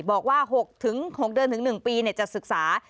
บอกว่า๖๖เดือนถึง๑ปีจะศึกษา